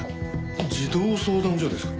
児童相談所ですか？